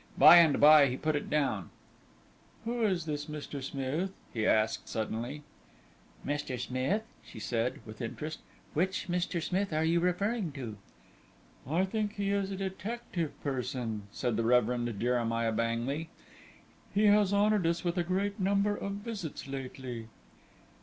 By and by he put it down. "Who is this Mr. Smith?" he asked, suddenly. "Mr. Smith?" she said, with interest. "Which Mr. Smith are you referring to?" "I think he is a detective person," said the Reverend Jeremiah Bangley; "he has honoured us with a great number of visits lately."